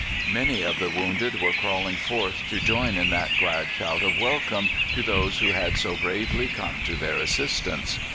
Many of the wounded were crawling forth to join in that glad shout of welcome to those who had so bravely come to their assistance.